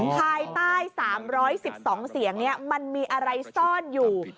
ภายใต้๓๑๒เสียงมันมีอะไรซ่อนอยู่